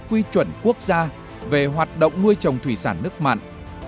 quy chuẩn quốc gia về hoạt động nuôi trồng thủy sản nước mặn